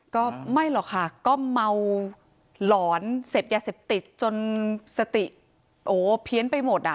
ก็ไม่หรอกค่ะก็เมาหลอนเสพยาเสพติดจนสติโอ้เพี้ยนไปหมดอ่ะ